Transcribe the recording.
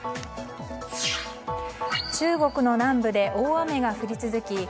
中国の南部で大雨が降り続き